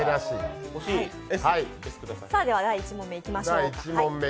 第１問目、いきましょうか。